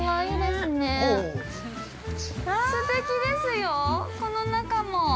すてきですよ、この中も。